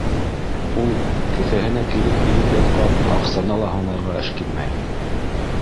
Ул кеҫәһенә килеп инеп ятҡан аҡсаны ла һанарға эшкинмәй!